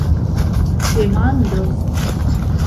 demandos